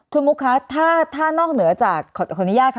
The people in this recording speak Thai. คุณมุกคะถ้านอกเหนือจากคนนี้ยากค่ะ